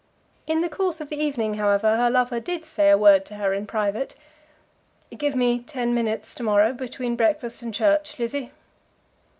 In the course of the evening, however, her lover did say a word to her in private. "Give me ten minutes to morrow between breakfast and church, Lizzie."